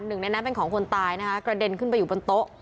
หนึ่งในนั้นเป็นของคนตายนะคะกระเด็นขึ้นไปอยู่บนโต๊ะ